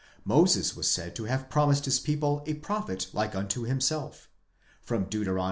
Moses was said to have promised his people a prophet like unto himself (Deut.